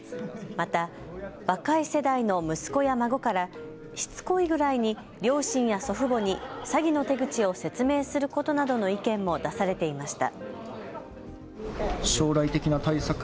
また、若い世代の息子や孫からしつこいぐらいに両親や祖父母に詐欺の手口を説明することなどの意見も出されていました。